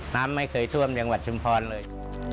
น้ำไม่เคยท่วมจังหวัดชุมพรเลย